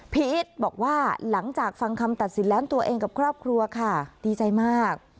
บอกว่าหลังจากฟังคำตัดสินแล้วตัวเองกับครอบครัวค่ะดีใจมาก